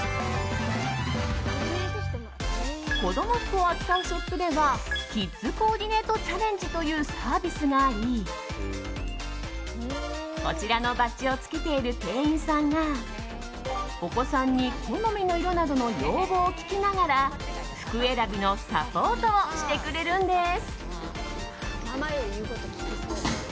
子供服を扱うショップではキッズコーディネートチャレンジというサービスがありこちらのバッジを着けている店員さんがお子さんに好みの色などの要望を聞きながら服選びのサポートをしてくれるんです。